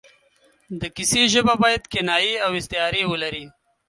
د کیسې ژبه باید کنایې او استعارې ولري.